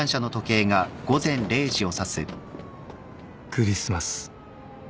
［クリスマス］